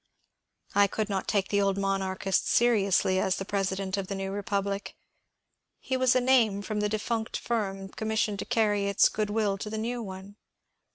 I could not take the old monarchist seriously as the Presi dent of the new Republic. He was a name from the defunct firm commissioned to carry its good will to the new one.